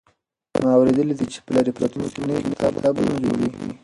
ما اورېدلي دي چې په لرې پرتو سیمو کې نوي کتابتونونه جوړېږي.